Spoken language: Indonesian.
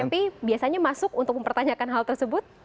tapi biasanya masuk untuk mempertanyakan hal tersebut